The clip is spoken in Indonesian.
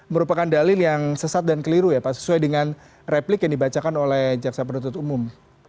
merupakan dalil yang sesat dan keliru ya pak sesuai dengan replik yang dibacakan oleh jaksa penuntut umum